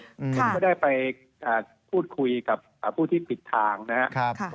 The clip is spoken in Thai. ผมก็ได้ไปพูดคุยกับผู้ที่ปิดทางนะครับ